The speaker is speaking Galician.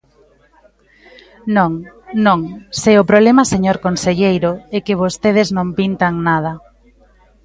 Non, non, se o problema, señor conselleiro, é que vostedes non pintan nada.